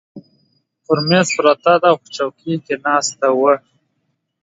پر مېز پرته ده، او په چوکۍ کې ناسته وه.